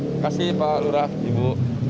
terima kasih pak lurah ibu